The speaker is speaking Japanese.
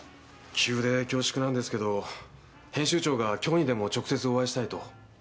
急で恐縮なんですけど編集長が今日にでも直接お会いしたいと。